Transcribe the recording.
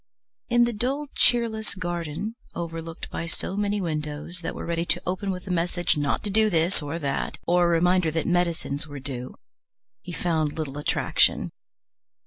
In the dull, cheerless garden, overlooked by so many windows that were ready to open with a message not to do this or that, or a reminder that medicines were due, he found little attraction.